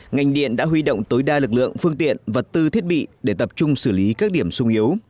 ngành điện đã huy động tối đa lực lượng phương tiện vật tư thiết bị để tập trung xử lý các điểm sung yếu